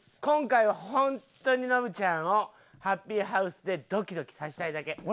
今回はホントにノブちゃんをハッピーハウスでドキドキさせたいだけ。